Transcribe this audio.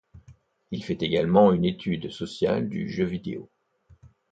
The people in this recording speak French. Il fait également une étude sociale du jeu vidéo.